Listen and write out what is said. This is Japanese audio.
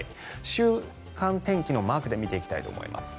週間天気のマークで見ていきたいと思います。